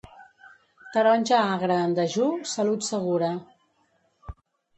Taronja agra en dejú, salut segura.